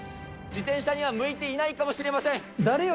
自転車にはむいていないかもしれません。